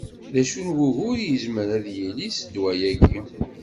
D acu n wugur i yezmer ad d-yili s ddwa-agi?